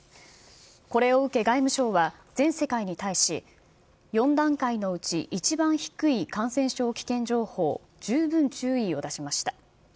これを受け、外務省は、全世界に対し、４段階のうち１番低い感染症危険情報、十分注意を出しました。